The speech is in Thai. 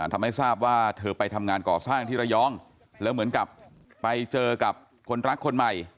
ทำให้ทราบว่าเธอไปทำงานก่อสร้างที่ระยองแล้วเหมือนกับไปเจอกับคนรักคนใหม่